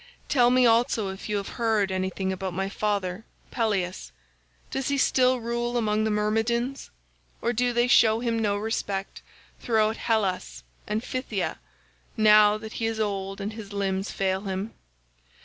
Tell me also if you have heard anything about my father Peleus—does he still rule among the Myrmidons, or do they show him no respect throughout Hellas and Phthia now that he is old and his limbs fail him?